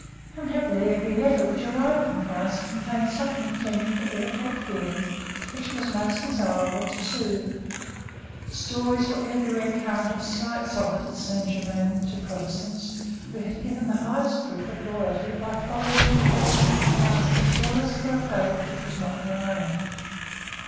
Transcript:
Unhappily every letter which arrived from France contained something tending to irritate feelings which it was most desirable to soothe. Stories were every where current of slights offered at Saint Germains to Protestants who had given the highest proof of loyalty by following into banishment a master zealous for a faith which was not their own.